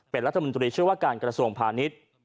เป็นรัฐมนตรีช่วยว่าการกระทรวงพาณิชย์